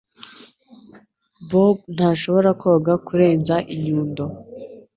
Bob ntashobora koga kurenza inyundo.